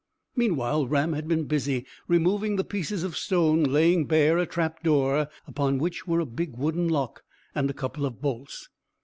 Meanwhile Ram had been busy removing the pieces of stone, laying bare a trap door upon which were a big wooden lock and a couple of bolts.